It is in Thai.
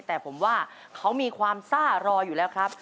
แต่ผมว่าเขามีความซ่ารออยู่แล้วครับ